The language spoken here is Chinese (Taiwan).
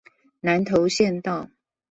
南投縣道